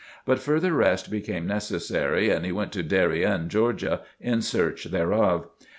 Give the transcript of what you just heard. But further rest became necessary and he went to Darien, Georgia, in search thereof.